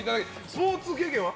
スポーツ経験は？